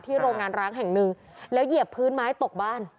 โรงงานร้างแห่งหนึ่งแล้วเหยียบพื้นไม้ตกบ้าน